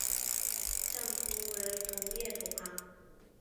丈夫为同业同行。